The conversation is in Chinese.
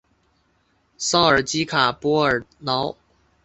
绍尔基卡波尔瑙。